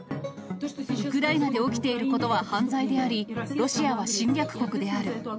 ウクライナで起きていることは犯罪であり、ロシアは侵略国である。